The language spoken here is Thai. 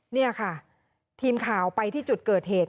นี่ค่ะทีมข่าวไปที่จุดเกิดเหตุ